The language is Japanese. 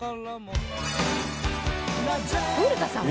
「古田さんも？」